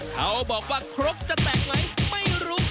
เขาบอกว่าครกจะแตกไหมไม่รู้